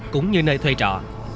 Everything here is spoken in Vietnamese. cũng như nơi thuê trọ